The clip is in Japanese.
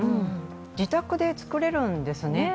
自宅で作れるんですね。